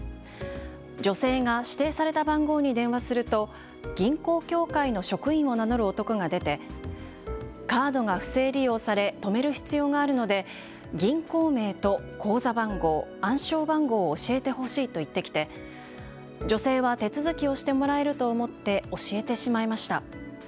女性が指定された番号に電話すると銀行協会の職員を名乗る男が出てカードが不正利用され止める必要があるので銀行名と口座番号、暗証番号を教えてほしいと言ってきて女性は手続きをしてもらえると思って教えてしまいました。